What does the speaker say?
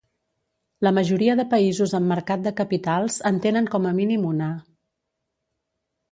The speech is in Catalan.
La majoria de països amb mercat de capitals en tenen com a mínim una.